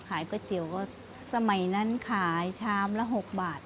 ก๋วยเตี๋ยวก็สมัยนั้นขายชามละ๖บาท